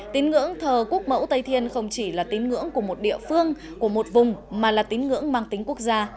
tín ngưỡng thờ quốc mẫu tây thiên không chỉ là tín ngưỡng của một địa phương của một vùng mà là tín ngưỡng mang tính quốc gia